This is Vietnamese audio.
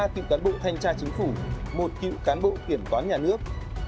ba cựu cán bộ thanh tra chính phủ một cựu cán bộ kiểm toán nhà nước